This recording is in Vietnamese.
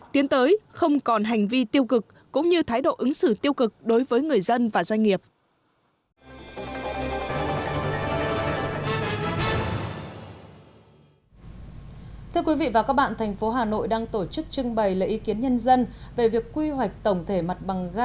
tiến tới không còn hành vi tiêu cực cũng như thái độ ứng xử tiêu cực đối với người dân và doanh nghiệp